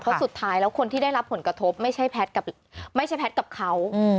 เพราะสุดท้ายแล้วคนที่ได้รับผลกระทบไม่ใช่แพทย์กับเขา